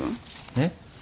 えっ？